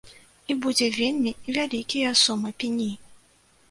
І будзе вельмі вялікія сумы пені.